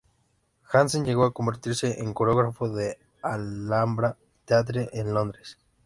Hansen llegó a convertirse en coreógrafo del Alhambra Theatre en Londres.